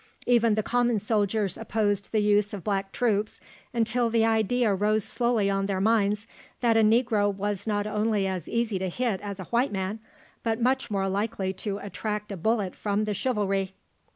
Even the common soldiers opposed the use of black troops, until the idea rose slowly on their minds that a negro was not only as easy to hit as a white man, but much more likely to attract a bullet from the chivalry.